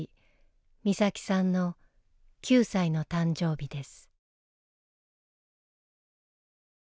美咲さんの９歳の誕生日です。